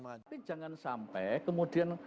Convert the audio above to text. tapi jangan sampai kemudian